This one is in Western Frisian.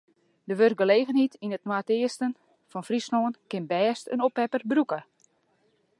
De wurkgelegenheid yn it noardeasten fan Fryslân kin bêst in oppepper brûke.